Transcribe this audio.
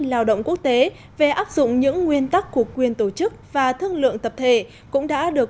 lao động quốc tế về áp dụng những nguyên tắc của quyền tổ chức và thương lượng tập thể cũng đã được